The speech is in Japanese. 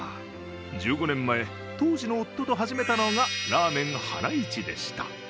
１５年前、当時の夫と始めたのがらーめんはないちでした。